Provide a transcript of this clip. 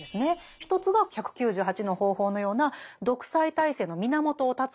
一つが１９８の方法のような独裁体制の源を断つ行動なんです。